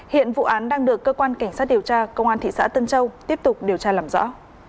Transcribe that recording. hiện vụ án đang được cơ quan cảnh sát điều tra công an thị xã tân châu tiếp tục điều tra làm rõ